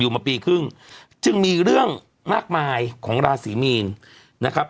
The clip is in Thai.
มาปีครึ่งจึงมีเรื่องมากมายของราศีมีนนะครับ